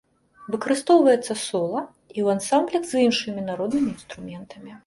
Выкарыстоўваецца сола і ў ансамблях з іншымі народнымі інструментамі.